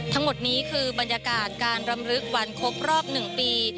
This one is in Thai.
ทั้งหมดนี้คือบรรยากาศการรำลึกวันครบรอบ๑ปี